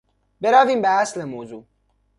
برویم به اصل موضوع.